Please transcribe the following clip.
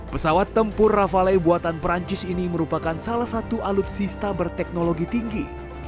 pesawat tempur rafale buatan perancis ini merupakan salah satu alutsista berteknologi tinggi